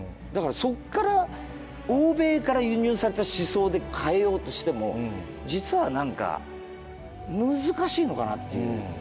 だからそこから欧米から輸入された思想で変えようとしても実は何か難しいのかなっていう。